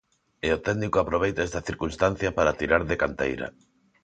E o técnico aproveita esta circunstancia para tirar de canteira.